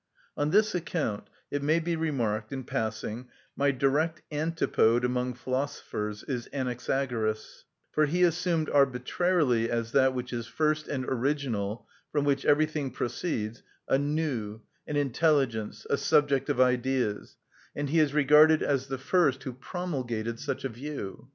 On this account, it may be remarked in passing, my direct antipode among philosophers is Anaxagoras; for he assumed arbitrarily as that which is first and original, from which everything proceeds, a νους, an intelligence, a subject of ideas, and he is regarded as the first who promulgated such a view.